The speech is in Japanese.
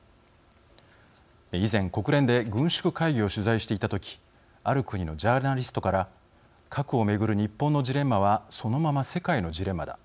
以前、国連で軍縮会議を取材していた時ある国のジャーナリストから核を巡る日本のジレンマはそのまま世界のジレンマだ。